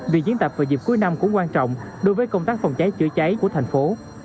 việc diễn tập vào dịp cuối năm cũng quan trọng đối với công tác phòng cháy chữa cháy của thành phố